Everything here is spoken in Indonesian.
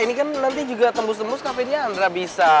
ini kan nanti juga tembus tembus kafe di andrabisa